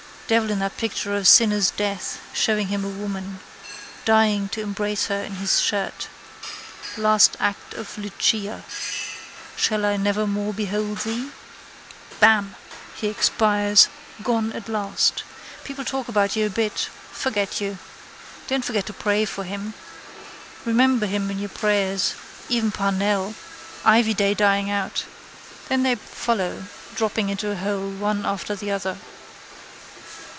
Devil in that picture of sinner's death showing him a woman. Dying to embrace her in his shirt. Last act of Lucia. Shall I nevermore behold thee? Bam! He expires. Gone at last. People talk about you a bit: forget you. Don't forget to pray for him. Remember him in your prayers. Even Parnell. Ivy day dying out. Then they follow: dropping into a hole, one after the other.